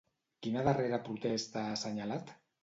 Quina darrera protesta ha assenyalat?